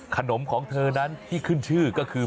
ของเธอนั้นที่ขึ้นชื่อก็คือ